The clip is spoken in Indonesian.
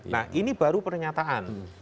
nah ini baru pernyataan